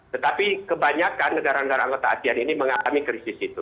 tetapi kebanyakan negara negara anggota asean ini mengalami krisis itu